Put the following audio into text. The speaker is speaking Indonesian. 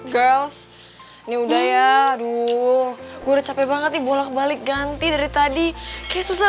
giles ini udah ya aduh gue udah capek banget nih bolak balik ganti dari tadi kayak susah